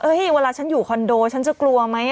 เวลาฉันอยู่คอนโดฉันจะกลัวไหม